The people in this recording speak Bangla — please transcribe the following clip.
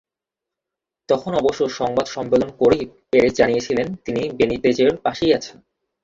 তখন অবশ্য সংবাদ সম্মেলন করেই পেরেজ জানিয়েছিলেন, তাঁরা বেনিতেজের পাশেই আছেন।